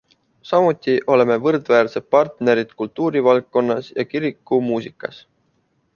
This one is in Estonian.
Samuti oleme võrdväärsed partnerid kultuurivaldkonnas ja kirikumuusikas.